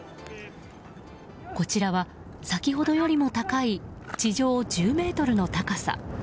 こちらは先ほどよりも高い地上１０ｍの高さ。